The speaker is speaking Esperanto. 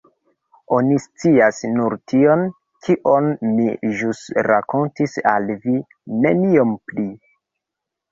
Oni scias nur tion, kion mi ĵus rakontis al vi, neniom pli.